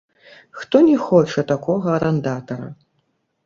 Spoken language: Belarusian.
Хто не хоча такога арандатара?